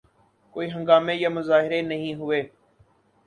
کوئی ہنگامے یا مظاہرے نہیں ہوئے۔